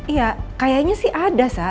iya kayaknya sih ada sa